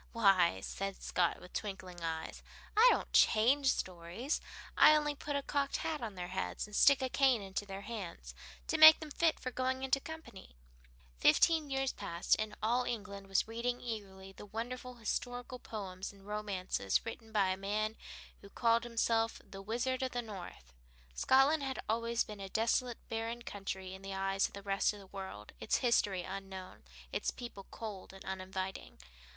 "Why," said Scott, with twinkling eyes, "I don't change stories. I only put a cocked hat on their heads, and stick a cane into their hands to make them fit for going into company." Fifteen years passed and all England was reading eagerly the wonderful historical poems and romances written by a man who called himself the "Wizard of the North." Scotland had always been a desolate barren country in the eyes of the rest of the world, its history unknown, its people cold and uninviting.